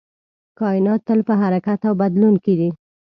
کائنات تل په حرکت او بدلون کې دی.